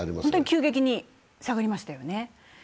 本当に急激に下がりましたよね。